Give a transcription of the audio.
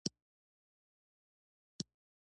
پښتانه بايد د ښوونې او روزنې په برخه کې پرمختګ وکړي.